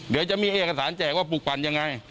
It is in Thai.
เดี๋ยวจะมีเอกสารแจกว่าปลูกปั่นยังไง